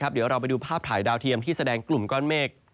เดี๋ยวเราไปดูภาพถ่ายดาวเทียมที่แสดงกลุ่มก้อนเมฆ